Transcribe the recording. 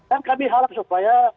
dan kami harap supaya